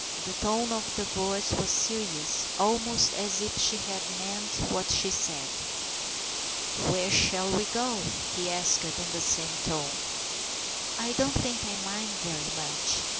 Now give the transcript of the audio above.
The tone of the voice was serious, almost as if she had meant what she said. "Where shall we go?" he asked in the same tone. " I don't think I mind very much.